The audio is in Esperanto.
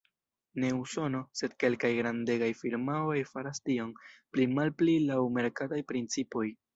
Ne Usono, sed kelkaj grandegaj firmaoj faras tion, pli-malpli laŭ merkataj principoj.